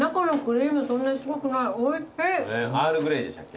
アールグレイでしたっけ？